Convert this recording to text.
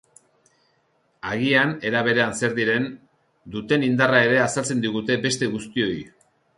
Agian era berean zer diren, duten indarra ere azaltzen digute beste guztioi.